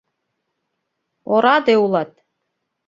— Ораде улат!